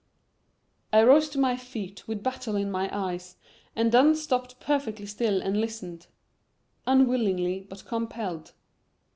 I rose to my feet with battle in my eyes and then stopped perfectly still and listened unwillingly but compelled.